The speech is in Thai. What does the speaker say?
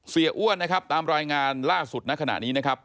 อ้วนนะครับตามรายงานล่าสุดณขณะนี้นะครับ